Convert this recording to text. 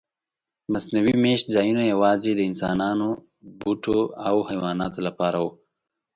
مصنوعي میشت ځایونه یواځې د انسانانو، بوټو او حیواناتو لپاره وو.